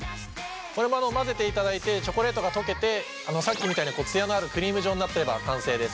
このまま混ぜていただいてチョコレートが溶けてさっきみたいなツヤのあるクリーム状になってれば完成です。